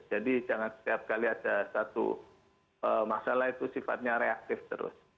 jadi jangan setiap kali ada satu masalah itu sifatnya reaktif terus